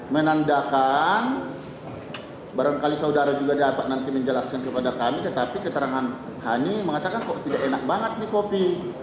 menandakan barangkali saudara juga dapat nanti menjelaskan kepada kami tetapi keterangan hani mengatakan kok tidak enak banget nih kopi